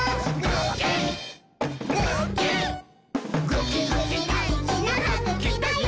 ぐきぐきだいじなはぐきだよ！」